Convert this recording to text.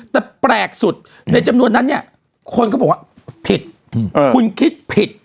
แต่แปลกสุดในจำนวนนั้นเนี่ยคนเขาบอกว่าผิดคุณคิดผิด